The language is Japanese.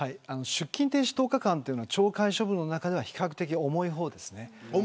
出勤停止１０日間は懲戒処分の中では比較的重い方ですね。